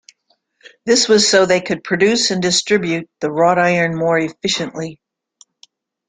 This was so they could produce and distribute the wrought iron more efficiently.